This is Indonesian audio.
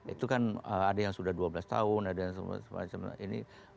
itu kan ada yang sudah dua belas tahun ada yang semacam ini